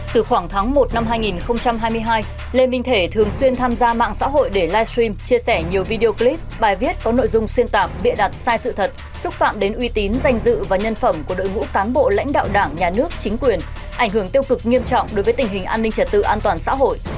từ khoảng tháng một năm hai nghìn hai mươi hai lê minh thể thường xuyên tham gia mạng xã hội để live stream chia sẻ nhiều video clip bài viết có nội dung xuyên tạp bịa đặt sai sự thật xúc phạm đến uy tín danh dự và nhân phẩm của đội ngũ cán bộ lãnh đạo đảng nhà nước chính quyền ảnh hưởng tiêu cực nghiêm trọng đối với tình hình an ninh trật tự an toàn xã hội